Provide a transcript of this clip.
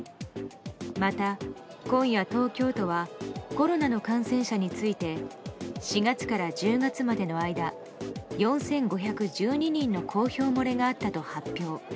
また今夜、東京都はコロナの感染者について４月から１０月までの間４５１２人の公表漏れがあったと発表。